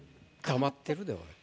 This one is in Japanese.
黙ってるでおい。